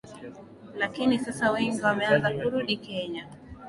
lakini sasa wengi wameanza kurudi Kenya